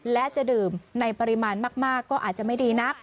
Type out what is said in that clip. และจะดื่มในปริมาณมากก็อาจจะไม่ดีนัก